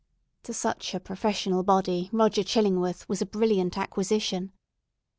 To such a professional body Roger Chillingworth was a brilliant acquisition.